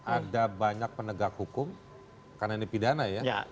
ada banyak penegak hukum karena ini pidana ya